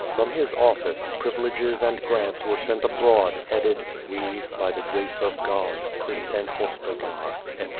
From his office, privileges and grants were sent abroad, headed: "We, by the grace of God, Prince and Hos podar, etc."